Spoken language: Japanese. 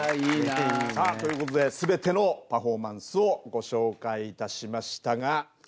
ということで全てのパフォーマンスをご紹介いたしましたが。